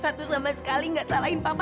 ratu sama sekali gak salahin papa